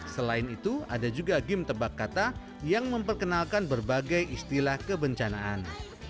selain itu ada juga game tebak kata yang memperkenalkan berbagai istilah kebencanaan